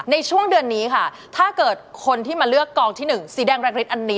ในช่วงเดือนนี้ค่ะถ้าเกิดคนที่มาเลือกกองที่๑สีแดงแรกฤทธิอันนี้